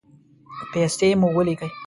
پیسې مو ولیکئ